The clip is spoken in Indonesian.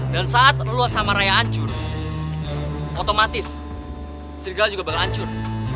dan saat lo sama raya ancur otomatis serigala juga bakal ancur